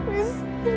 please kamu bangun ya